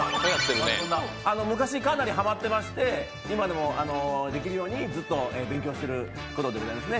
昔、かなりハマってまして今でもできるように、ずっと勉強していることでございますね。